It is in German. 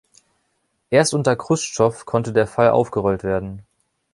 Erst unter Chruschtschow konnte der Fall aufgerollt werden.